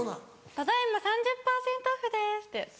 「ただ今３０％オフです！」ってやつ。